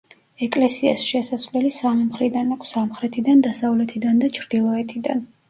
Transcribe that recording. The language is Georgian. ეკლესიას შესასვლელი სამი მხრიდან აქვს: სამხრეთიდან, დასავლეთიდან და ჩრდილოეთიდან.